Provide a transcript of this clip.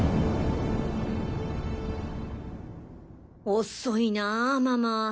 （女遅いなぁママ。